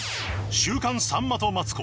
「週刊さんまとマツコ」